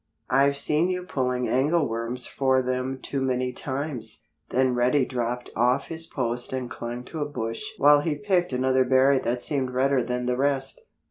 I've seen you pulling angleworms for them too many times." Then Reddy dropped off his post and clung to a bush while he picked another berry that seemed redder than the rest.